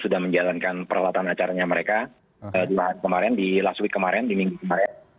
sudah menjalankan peralatan acaranya mereka di last week kemarin di minggu kemarin